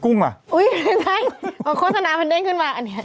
เป็นการกระตุ้นการไหลเวียนของเลือด